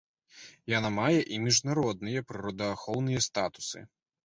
Яна мае і міжнародныя прыродаахоўныя статусы.